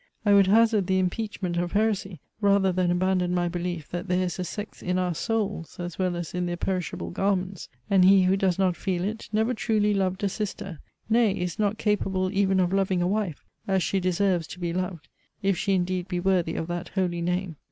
I would hazard the impeachment of heresy, rather than abandon my belief that there is a sex in our souls as well as in their perishable garments; and he who does not feel it, never truly loved a sister nay, is not capable even of loving a wife as she deserves to be loved, if she indeed be worthy of that holy name.